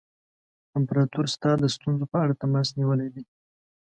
امپراطور ستا د ستونزو په اړه تماس نیولی دی.